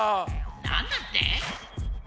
なんだって？